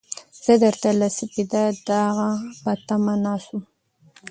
زه درته له سپېده داغه په تمه ناست وم.